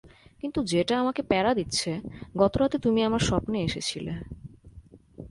কিন্তু যেটা আমাকে প্যারা দিচ্ছে, গতরাতে তুমি আমার স্বপ্নে এসেছিলে।